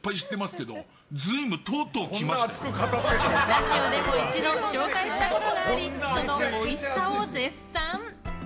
ラジオでも一度紹介したことがありそのおいしさを絶賛。